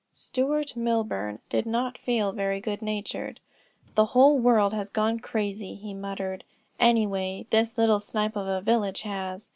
Stuart Milburn did not feel very good natured. "The whole world has gone crazy," he muttered; "anyway this little snipe of a village has.